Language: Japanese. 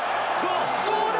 どうだ？